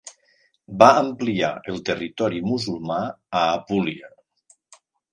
Va ampliar el territori musulmà a Apúlia.